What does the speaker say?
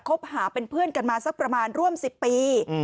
บหาเป็นเพื่อนกันมาสักประมาณร่วม๑๐ปี